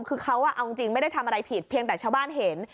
คือเขาเอาจริงไม่ได้ทำอะไรผิดเพียงแต่ชาวบ้านเห็น